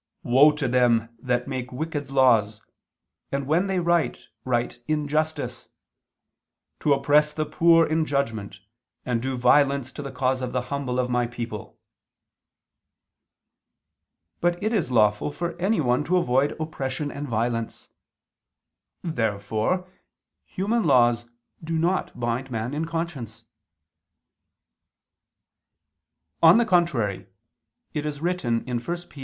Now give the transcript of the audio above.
"Woe to them that make wicked laws, and when they write, write injustice; to oppress the poor in judgment, and do violence to the cause of the humble of My people." But it is lawful for anyone to avoid oppression and violence. Therefore human laws do not bind man in conscience. On the contrary, It is written (1 Pet.